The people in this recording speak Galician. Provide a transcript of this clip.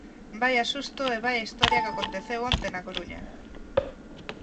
Vaia susto, e vaia historia a que aconteceu onte na Coruña.